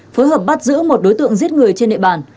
phối hợp bắt giữ một đối tượng giết người trên địa bàn